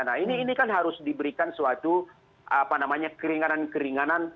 nah ini kan harus diberikan suatu keringanan keringanan